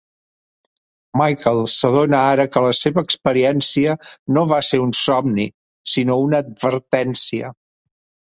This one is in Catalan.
Michael s'adona ara que la seva experiència no va ser un somni, sinó una advertència.